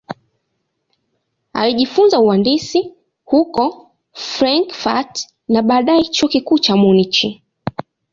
Alijifunza uhandisi huko Frankfurt na baadaye Chuo Kikuu cha Munich.